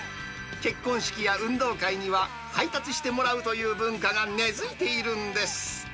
結婚式や運動会には、配達してもらうという文化が根づいているんです。